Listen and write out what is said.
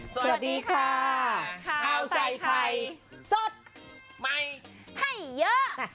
สวัสดีค่ะข้าวใส่ไข่สดใหม่ให้เยอะ